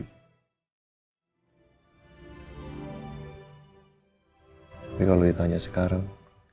tapi kalau ditanya sekarang